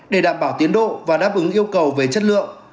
để đảm bảo tiến độ và đáp ứng yêu cầu về chất lượng